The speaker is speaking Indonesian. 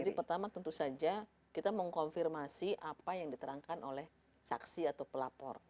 jadi pertama tentu saja kita mengkonfirmasi apa yang diterangkan oleh saksi atau pelapor